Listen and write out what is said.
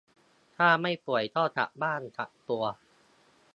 ถ้าไม่ป่วยก็กลับบ้านกักตัว